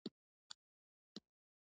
چای ښې وې، ستوماني باسي.